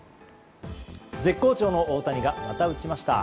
絶好調の大谷がまた打ちました。